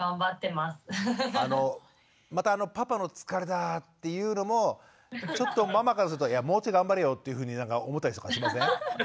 あのまたパパの「疲れた」っていうのもちょっとママからするといやもうちょい頑張れよっていうふうに思ったりとかしません？